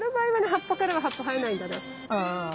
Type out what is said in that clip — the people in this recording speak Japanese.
葉っぱからは葉っぱ生えないんだな。